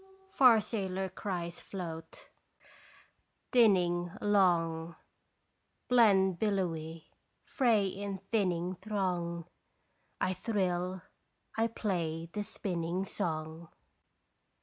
Yo ho ho ho! Yo ho ho ho! Far sailor cries float, dinning long, Blend billowy, fray in thinning throng, I thrill, I play the spinning song.